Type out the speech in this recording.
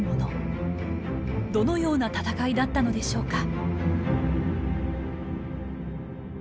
どのような戦いだったのでしょうか？